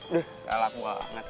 duh galak banget